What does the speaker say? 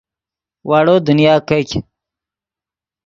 واڑو دنیا کیګ